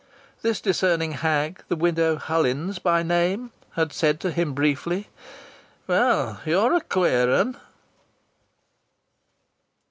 This discerning hag, the Widow Hullins by name, had said to him briefly, "Well, you're a queer 'un!"